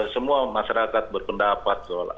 semua masyarakat berpendapat